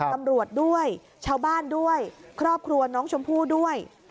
ตำรวจด้วยชาวบ้านด้วยครอบครัวน้องชมพู่ด้วย